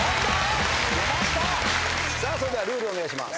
それではルールをお願いします。